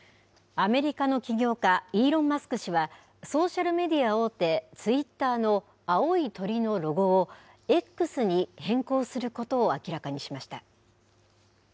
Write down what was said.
アメリカの起業家、イーロン・マスク氏は、ソーシャルメディア大手、ツイッターの青い鳥のロゴをＸに変更することを明らかにしました。